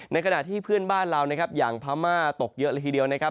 ในขณะที่เพื่อนบ้านเรานะครับอย่างพม่าตกเยอะเลยทีเดียวนะครับ